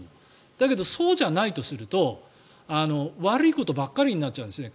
だけど、そうじゃないとすると悪いことばかりになっちゃうんですね。